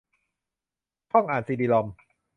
ช่องอ่านซีดีรอม